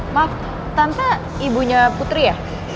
maaf tanpa ibunya putri ya